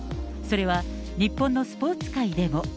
それは日本のスポーツ界でも。